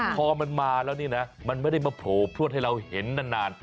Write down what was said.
พอมันมาแล้วนี่นะมันไม่ได้มาโผล่พลวดให้เราเห็นนาน